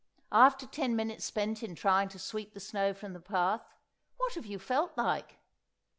After ten minutes spent in trying to sweep the snow from the path, what have you felt like?